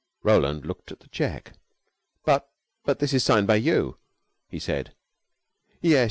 Roland looked at the check. "But but this is signed by you," he said. "Yes.